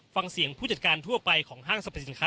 ฟังเสียงผู้จัดการทั่วไปของห้างสรรพสินค้า